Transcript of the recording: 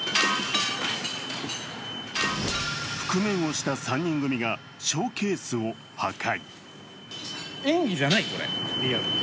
覆面をした３人組がショーケースを破壊。